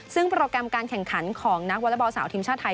ซึ่งโปรแกรมการแข่งขันของนักวอเล็กบอลสาวทีมชาติไทย